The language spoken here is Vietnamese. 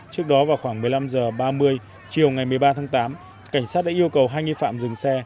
trước đó vào khoảng một mươi năm h ba mươi chiều ngày một mươi ba tháng tám cảnh sát đã yêu cầu hai nghi phạm dừng xe